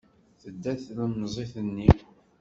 Tedda tlemmiẓt-nni.